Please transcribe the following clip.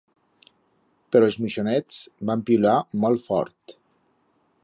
Pero els muixonets van piular molt fort.